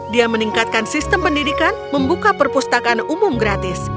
dia meningkatkan sistem pendidikan membuka perpustakaan umum gratis